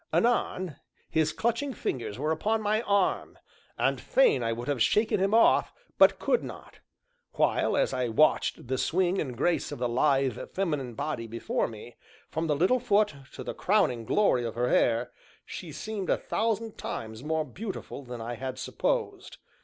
Anon, his clutching fingers were upon my arm, and fain I would have shaken him off, but could not; while, as I watched the swing and grace of the lithe, feminine body before me, from the little foot to the crowning glory of her hair, she seemed a thousand times more beautiful than I had supposed.